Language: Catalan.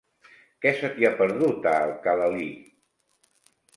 Què se t'hi ha perdut, a Alcalalí?